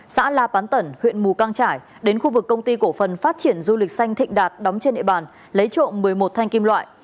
xã la pán tẩn huyện mù căng trải đến khu vực công ty cổ phần phát triển du lịch xanh thịnh đạt đóng trên địa bàn lấy trộm một mươi một thanh kim loại